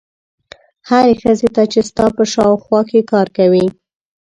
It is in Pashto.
هرې ښځې ته چې ستا په شاوخوا کې کار کوي.